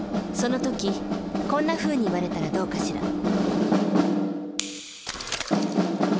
その時こんなふうに言われたらどうかしら？